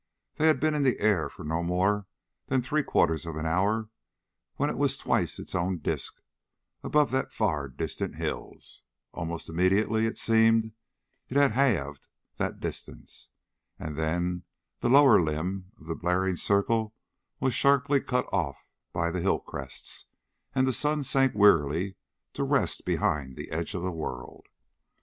They had been in the air for no more than three quarters of an hour when it was twice its own disk above the far distant hills. Almost immediately, it seemed, it had halved that distance. And then the lower limb of the blaring circle was sharply cut off by the hill crests and the sun sank wearily to rest behind the edge of the world.